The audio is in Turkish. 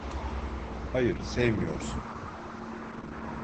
Hayır, sevmiyorsun.